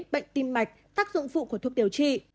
bệnh tim mạch tác dụng phụ của thuốc điều trị